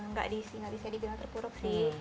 nggak bisa dibilang terpuruk sih